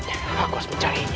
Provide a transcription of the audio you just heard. aku harus mencarinya